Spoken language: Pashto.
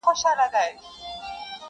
حق لرمه والوزم اسمان ته الوته لرم،